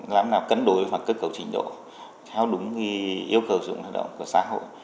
làm nào cấn đối hoặc kết cấu chỉnh độ theo đúng yêu cầu dụng lao động của xã hội